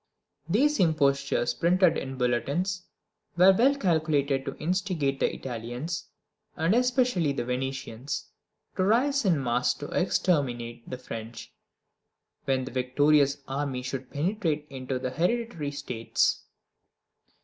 These impostures, printed in bulletins, were well calculated to instigate the Italians, and especially the Venetians, to rise in mass to exterminate the French, when the victorious army should penetrate into the Hereditary States.